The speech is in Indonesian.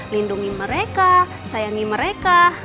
lindungi mereka sayangi mereka